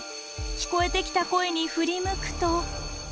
聞こえてきた声に振り向くと。